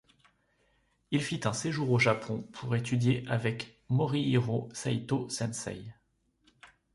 Il fit un séjour au Japon pour étudier avec Morihiro Saito sensei.